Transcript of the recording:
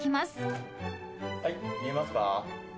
はい見えますか？